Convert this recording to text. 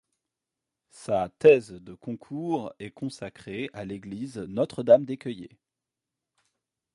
Sa thèse de concours est consacrée à l'église Notre-Dame d'Écueillé.